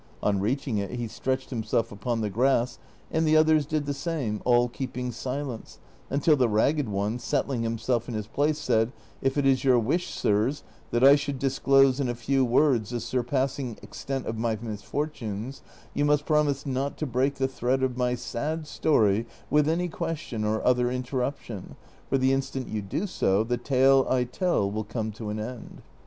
On reaching it he stretched himself iipon the grass, and the others did the same, all keeping silence, until the Ragged One, settling himself in his place, said, " If it is your wish, sirs, that I shoidd disclose in a few words the sur ]>assing extent of my misfortunes, you must promise not to break the thread of my sad story with any question or other interruption, for the instant you do so the tale I tell will come to an end."